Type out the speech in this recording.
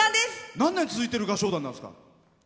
何年続いてる合唱団なんですか？